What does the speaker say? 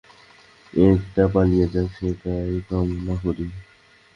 এটা পালিয়ে যাক সেটাই কামনা করি।